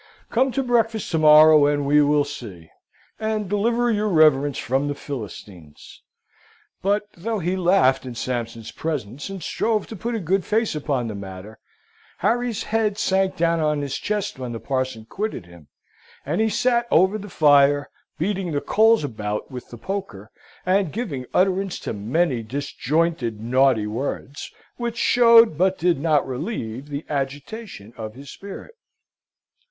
Come to breakfast to morrow, and we will see and deliver your reverence from the Philistines." But though he laughed in Sampson's presence, and strove to put a good face upon the matter, Harry's head sank down on his chest when the parson quitted him, and he sate over the fire, beating the coals about with the poker, and giving utterance to many disjointed naughty words, which showed, but did not relieve, the agitation of his spirit.